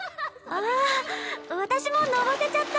ああ私ものぼせちゃった。